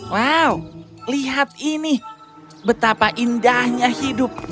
wow lihat ini betapa indahnya hidup